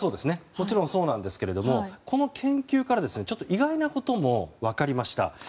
もちろんそうなんですけどこの研究からは意外なことも分かりました。